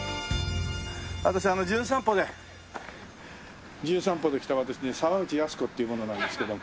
私あの『じゅん散歩』で『じゅん散歩』で来た私ね沢口靖子っていう者なんですけども。